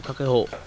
các cái hộ